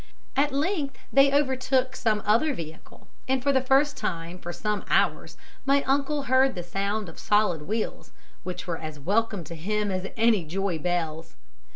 "At length they overtook some other vehicle, and for the first time for some hours my uncle heard the sound of solid wheels, which were as welcome to him as any joy bells.